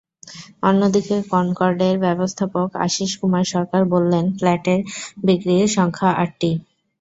অন্যদিকে কনকর্ডের ব্যবস্থাপক আশীষ কুমার সরকার বললেন, ফ্ল্যাট বিক্রির সংখ্যা আটটি।